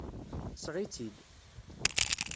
Seɣ-itt-id!